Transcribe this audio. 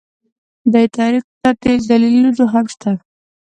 دې تعریف ته دلیلونه هم شته